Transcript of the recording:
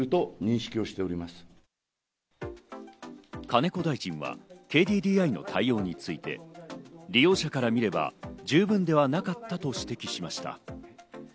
金子大臣はＫＤＤＩの対応について利用者から見れば十分ではなかったと指摘しました。